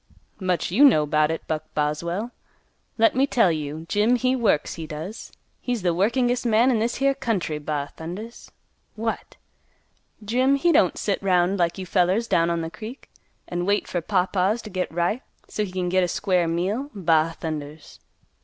"Much you know 'bout it, Buck Boswell. Let me tell you, Jim he works, he does. He's the workingest man in this here county, ba thundas! What! Jim he don't sit 'round like you fellers down on th' creek an' wait fer pawpaws to git ripe, so he can git a square meal, ba thundas!"